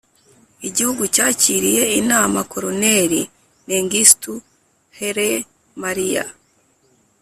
igihugu cyakiriye inama koloneli mengistu hailé mariam,